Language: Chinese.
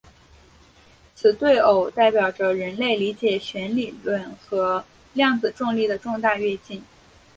此对偶代表着人类理解弦理论和量子重力的重大跃进。